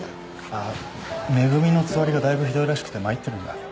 あぁめぐみのつわりがだいぶひどいらしくて参ってるんだ。